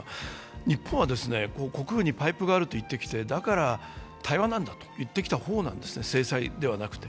日本は国軍にパイプがあるといってきてだから対話なんだと言ってきたほうなんです、制裁ではなくて。